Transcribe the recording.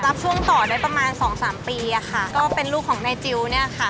รับช่วงต่อได้ประมาณสองสามปีอะค่ะก็เป็นลูกของนายจิลเนี่ยค่ะ